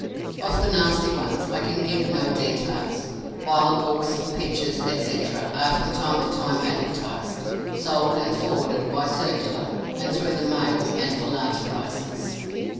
Of the nasty ones, I can give no details. Vile books, pictures, etc., are from time to time advertised, sold, and forwarded, by circular, and through the mails, and for large prices.